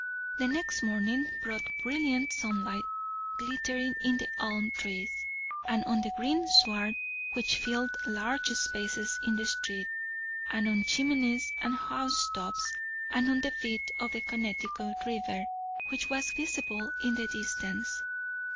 The next morning brought brilliant sunlight, glittering in the elm trees, and on the green sward which filled large spaces in the street, and on chimneys and housetops, and on the bit of the Connecticut river which was visible in the distance.